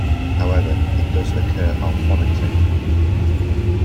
However, it does occur allophonically.